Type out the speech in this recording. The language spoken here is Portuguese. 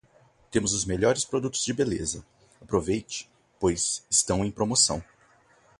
Temos os melhores produtos de beleza. Aproveite, pois estão em promoção.